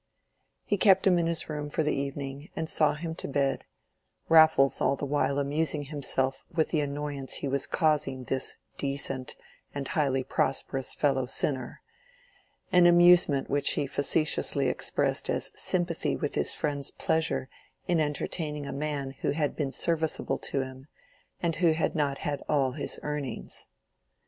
He kept him in his own room for the evening and saw him to bed, Raffles all the while amusing himself with the annoyance he was causing this decent and highly prosperous fellow sinner, an amusement which he facetiously expressed as sympathy with his friend's pleasure in entertaining a man who had been serviceable to him, and who had not had all his earnings.